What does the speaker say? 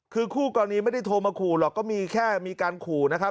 คือคู่กรณีไม่ได้โทรมาขู่หรอกก็มีแค่มีการขู่นะครับ